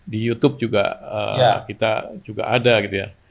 di youtube juga kita juga ada gitu ya